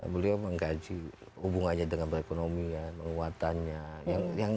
beliau menggaji hubungannya dengan perekonomian penguatannya